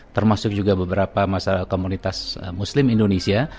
termasuk juga beberapa masyarakat komunitas muslim indonesia